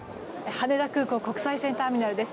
羽田空港国際線ターミナルです。